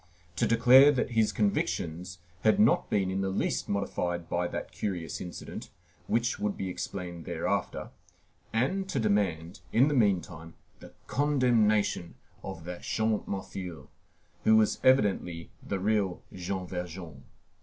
to declare that his convictions had not been in the least modified by that curious incident, which would be explained thereafter, and to demand, in the meantime, the condemnation of that Champmathieu, who was evidently the real Jean Valjean.